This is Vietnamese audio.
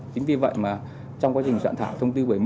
chính vì vậy mà trong quá trình soạn thảo thông tư bảy mươi